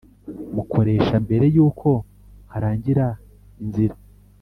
Mukoresha mbere y uko harangira inzira